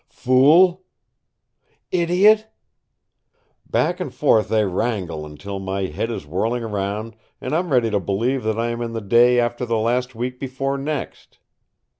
"Fool!" "Idiot!" Back and forth they wrangle until my head is whirling around and I am ready to believe that I am in the day after the last week before next.